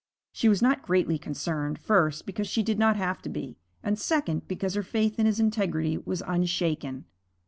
She was not greatly concerned, first, because she did not have to be, and second, because her faith in his integrity was unshaken.